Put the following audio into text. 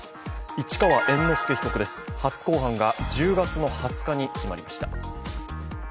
市川猿之助被告です、初公判が１０月２０日に決まりました。